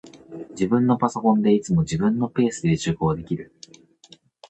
自分のパソコンで、いつでも自分のペースで受講できる